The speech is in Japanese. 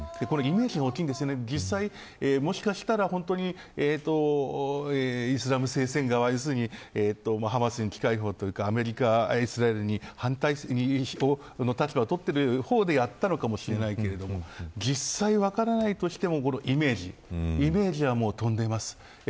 実際、もしかしたらイスラム聖戦側要するに、ハマスにアメリカ、イスラエルに反対の立場をとっている方でやったのかもしれないけれども実際分からないとしてもこのイメージイメージは飛んでいます。